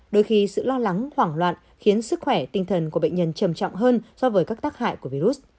đôi khi sự lo lắng hoảng loạn khiến sức khỏe tinh thần của bệnh nhân trầm trọng hơn so với các tác hại của virus